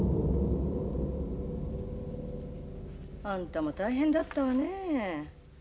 あんたも大変だったわねえ。